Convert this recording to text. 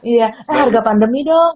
iya harga pandemi dong